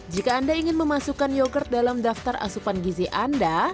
jika anda ingin memasukkan yogurt dalam daftar asupan gizi anda